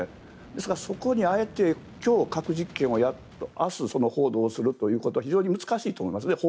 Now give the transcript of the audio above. ですが、そこにあえて今日、核実験をやって明日報道するということは非常に難しいと思いますね。